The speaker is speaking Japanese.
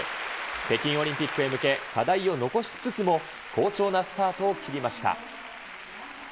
北京オリンピックへ向け、課題を残しつつも好調なスタートを切りました。